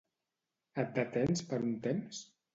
Et detens per un temps?